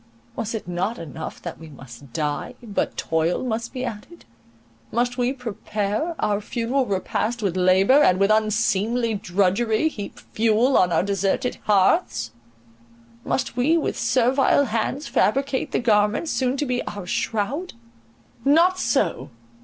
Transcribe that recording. Was it not enough that we must die, but toil must be added?—must we prepare our funeral repast with labour, and with unseemly drudgery heap fuel on our deserted hearths —must we with servile hands fabricate the garments, soon to be our shroud? Not so!